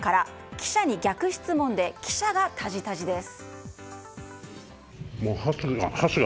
記者に逆質問で記者がたじたじです。